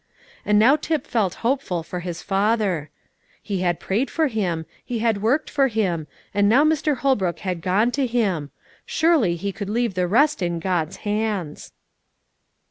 And now Tip felt hopeful for his father: he had prayed for him, he had worked for him, and now Mr. Holbrook had gone to him; surely he could leave the rest in God's hands.